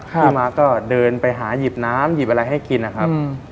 พี่มาก็เดินไปหาหยิบน้ำหยิบอะไรให้กินนะครับ